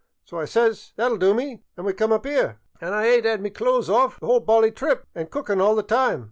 So I says, * That '11 do me,' an' we come up 'ere. An* I ayn't 'ad my clothes off on th' ole holly trip, an' cookin' all the time.